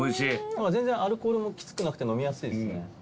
全然アルコールもきつくなくて飲みやすいですね。